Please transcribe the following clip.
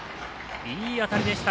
いい当たりでした。